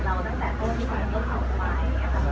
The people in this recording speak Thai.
เพื่อจะให้เกร็ดเราตั้งแต่ว่าพี่นมรึหรือไม่